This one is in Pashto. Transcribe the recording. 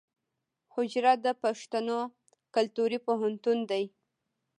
حجره د پښتنو کلتوري پوهنتون دی.